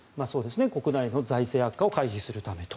国内の財政悪化を回避するためと。